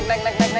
tidak ada apa apa